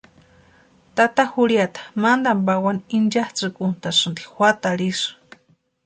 Tata jurhiata mantani pawani inchatsʼïkuntʼasïnti juatarhu isï.